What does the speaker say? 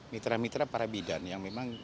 mitra mitra para bidan yang memang